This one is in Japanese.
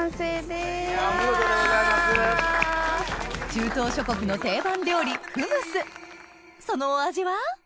中東諸国の定番料理フムスそのお味は？